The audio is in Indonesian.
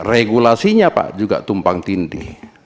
regulasinya pak juga tumpang tindih